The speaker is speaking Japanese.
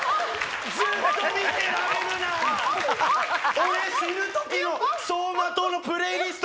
俺死ぬ時の走馬灯のプレーリスト